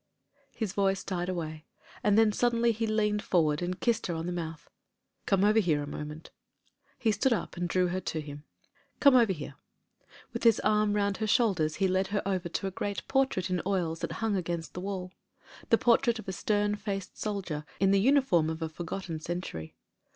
His voice died away, and then suddenly he leant forward and kissed her on the mouth. "Come over here a moment," he stood up and drew her to him. "Come over here." With his arm round her shoulders he led her over to a great portrait in oils that hung against the wall, the portrait of a stem faced soldier in the uniform of a forgotten century.